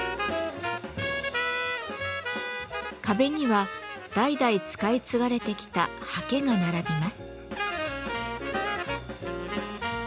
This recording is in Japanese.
壁には代々使い継がれてきた刷毛が並びます。